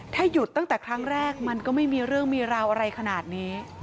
ถ้าหยุดตั้งแต่ครั้งแรกมันก็ไม่มีเรื่องมีราวอะไรขนาดนี้